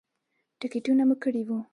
ټکټونه مو کړي وو.